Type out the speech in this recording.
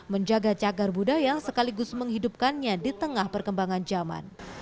menjaga cagar budaya sekaligus menghidupkannya di tengah perkembangan zaman